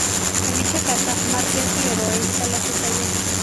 En dicha casa, Márquez Figueroa instaló su taller.